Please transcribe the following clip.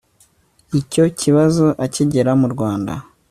icyo kibazo akigera mu rwanda